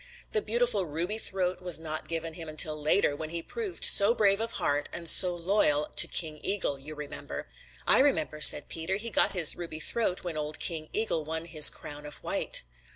The beautiful ruby throat was not given him until later, when he proved so brave of heart and so loyal to King Eagle, you remember." "I remember," said Peter. "He got his ruby throat when old King Eagle won his crown of white."